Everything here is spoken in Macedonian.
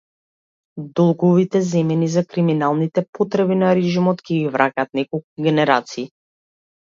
Долговите земени за криминалните потреби на режимот ќе ги враќаат неколку генерации.